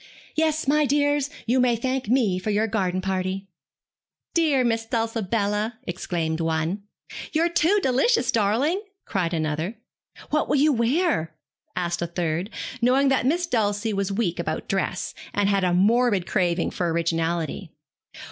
Yes, my dears, you may thank me for your garden party.' 'Dear Miss Dulcibella,' exclaimed one. 'You too delicious darling,' cried another. 'What will you wear?' asked a third, knowing that Miss Dulcie was weak about dress, and had a morbid craving for originality.